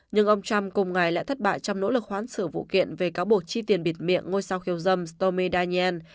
nhưng ông trump cùng ngày lại thất bại trong nỗ lực khoán xử vụ kiện về cáo buộc chi tiền bịt miệng ngôi sao khiêu dâm stormy daniel